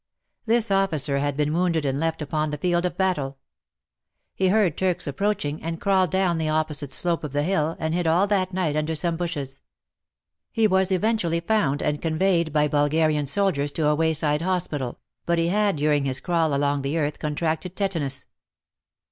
This officer had been wounded and left upon the field of batde. He heard Turks approach ing and crawled down the opposite slope of the hill and hid all that night under some bushes. He was eventually found and conveyed by Bulgarian soldiers to a v/ayside hospital, but he had during his crawl along the earth contracted tetanus.